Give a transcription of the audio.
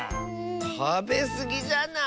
たべすぎじゃない？